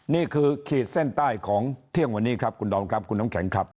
นี่คือเขตเส้นใต้ของเที่ยงวันนี้คุณดองครับคุณน้องแข็งครับ